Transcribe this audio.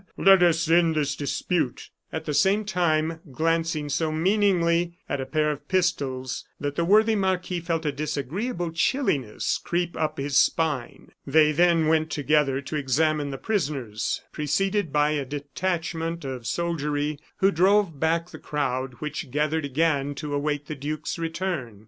let us end this dispute," at the same time glancing so meaningly at a pair of pistols that the worthy marquis felt a disagreeable chilliness creep up his spine. They then went together to examine the prisoners, preceded by a detachment of soldiery who drove back the crowd, which gathered again to await the duke's return.